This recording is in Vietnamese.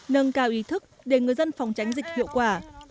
nâng cao ý thức để người dân phòng tránh dịch hiệu quả